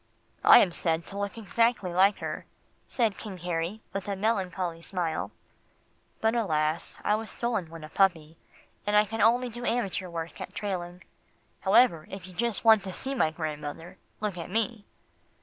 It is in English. "I am said to look exactly like her," said King Harry with a melancholy smile, "but alas! I was stolen when a puppy, and I can do only amateur work at trailing. However, if you just want to see my grandmother, look at me."